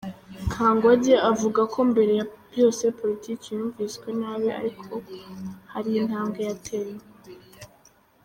Kangwagye avuga ko mbere ya byose politiki yumviswe nabi ariko ko hari intambwe yatewe.